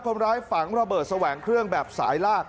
คนร้ายฝังระเบิดแสวงเครื่องแบบสายลาก